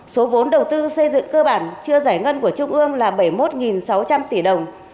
số vốn đầu tư xây dựng cơ bản chưa giải ngân của trung ương là bảy mươi một sáu trăm linh tỷ đồng